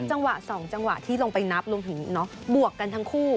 จังหวะ๒จังหวะที่ลงไปนับรวมถึงบวกกันทั้งคู่